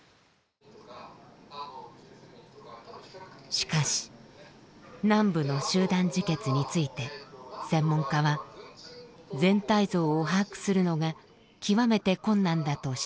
しかし南部の集団自決について専門家は全体像を把握するのが極めて困難だと指摘します。